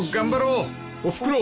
［おふくろ